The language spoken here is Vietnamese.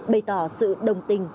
bày tỏ sự đồng tình